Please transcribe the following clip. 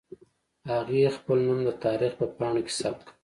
هغې خپل نوم د تاريخ په پاڼو کې ثبت کړ.